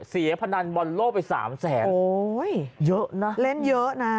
พนันบอลโลกไปสามแสนโอ้ยเยอะนะเล่นเยอะนะ